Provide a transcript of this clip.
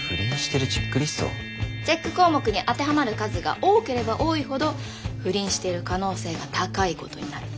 チェック項目に当てはまる数が多ければ多いほど不倫してる可能性が高いことになる。